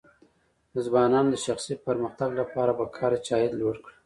د ځوانانو د شخصي پرمختګ لپاره پکار ده چې عاید لوړ کړي.